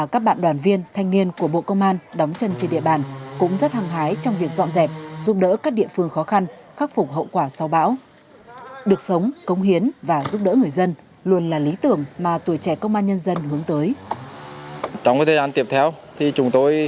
các đoàn viên thanh niên công an quận sơn trà đã tập trung để dọn dẹp sớm giải phóng mặt đường cho người dân lưu thông được an toàn